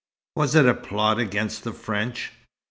"Was it a plot against the French?"